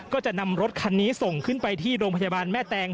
ก็จะนำรถคันนี้ส่งขึ้นไปที่โรงพยาบาลแม่แตง